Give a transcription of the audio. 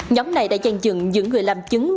nhóm này đã chan dựng những người làm chứng